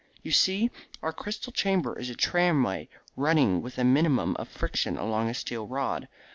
You see, our crystal chamber is a tramway running with a minimum of friction along a steel rod.